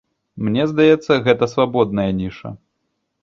Мне здаецца, гэта свабодная ніша.